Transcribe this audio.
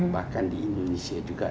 bahkan di indonesia juga